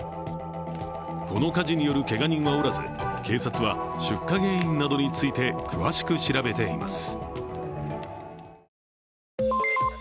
この火事によるけが人はおらず、警察は出火原因などについて詳しく調べています。